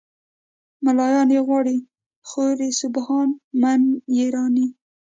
"ملایان یې غواړي خوري سبحان من یرانی".